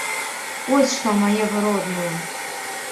Ось што, мае вы родныя.